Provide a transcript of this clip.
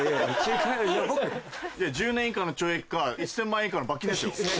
１０年以下の懲役か１０００万円以下の罰金ですよ。